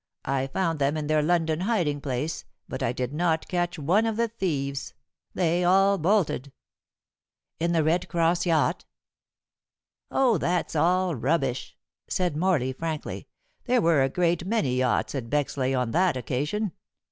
I found them in their London hiding place, but I did not catch one of the thieves. They all bolted." "In The Red Cross yacht." "Oh, that's all rubbish," said Morley frankly; "there were a great many yachts at Bexleigh on that occasion.